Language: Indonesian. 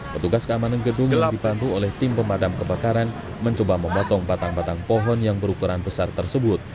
petugas keamanan gedung yang dibantu oleh tim pemadam kebakaran mencoba memotong batang batang pohon yang berukuran besar tersebut